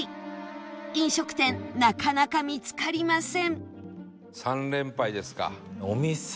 飲食店なかなか見つかりません